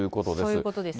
そういうことですね。